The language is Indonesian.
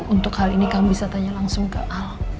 untuk hal ini kami bisa tanya langsung ke al